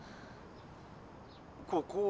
ここは？